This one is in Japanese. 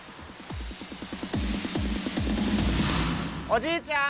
おじいちゃん！